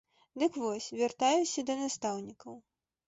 Дык вось, вяртаюся да настаўнікаў.